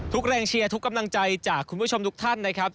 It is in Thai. แรงเชียร์ทุกกำลังใจจากคุณผู้ชมทุกท่านนะครับ